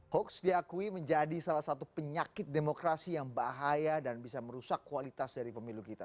hoax diakui menjadi salah satu penyakit demokrasi yang bahaya dan bisa merusak kualitas dari pemilu kita